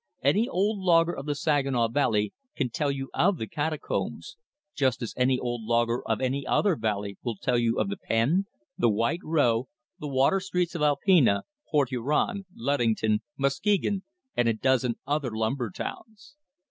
Any old logger of the Saginaw Valley can tell you of the Catacombs, just as any old logger of any other valley will tell you of the "Pen," the "White Row," the "Water Streets" of Alpena, Port Huron, Ludington, Muskegon, and a dozen other lumber towns.